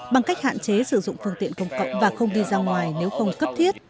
bằng cách hạn chế sử dụng phương tiện công cộng và không đi ra ngoài nếu không cấp thiết